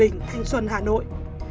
bình thanh xuân hà nội